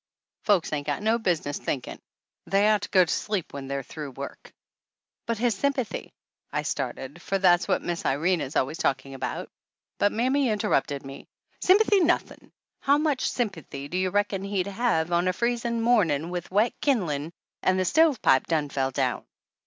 Folks ain't got no business thinkin' they ought to go to sleep when they're through work!" "But his sympathy " I started, for that's 240 THE ANNALS OF ANN what Miss Irene is always talking about, but mammy interrupted me. "Sympathy' nothin' ! How much sympathy do you reckon he'd have on a f reezin' mornin' with wet kin'lin' and the stovepipe done fell down?